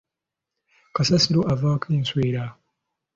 Kasasiro avaako enswera.